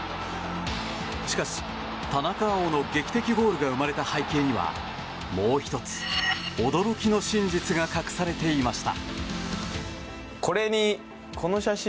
しかし、田中碧の劇的ゴールが生まれた背景にはもう１つ驚きの真実が隠されていました。